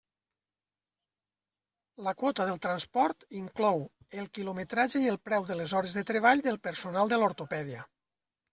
La quota del transport inclou: el quilometratge i el preu de les hores de treball del personal de l'ortopèdia.